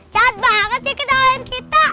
sehat banget sih ketawain kita